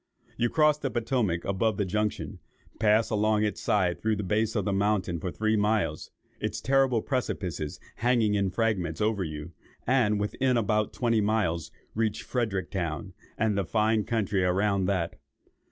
You cross the Potomac above the junction, pass along its side through the base of the mountain for three miles, its terrible precipices hanging in fragments over you, and, within about twenty miles, reach Fredericktown, and the fine country round that.